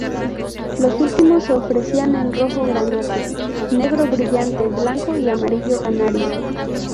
Los últimos se ofrecían en rojo granate, negro brillante, blanco y amarillo canario.